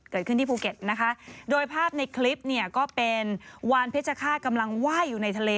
เกิดขึ้นที่ภูเก็ตนะคะโดยภาพในคลิปเนี่ยก็เป็นวานเพชรฆาตกำลังไหว้อยู่ในทะเล